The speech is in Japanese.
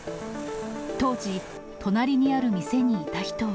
当時、隣にある店にいた人は。